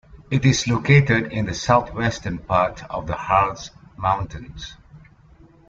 It is located in the southwestern part of the Harz mountains.